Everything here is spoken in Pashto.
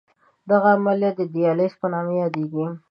دغه عملیه د دیالیز په نامه یادېږي.